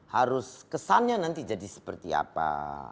harus kesannya nanti jadi seperti apa